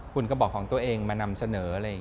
หุ่นกระบองของตัวเองมานำเสนอ